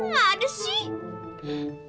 gak ada sih